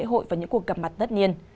các hội và những cuộc gặp mặt đất niên